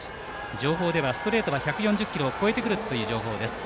情報ではストレートが１４０キロを超えてくるということです。